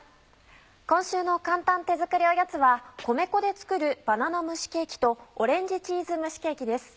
今週の簡単手作りおやつは米粉で作る「バナナ蒸しケーキ」と「オレンジチーズ蒸しケーキ」です。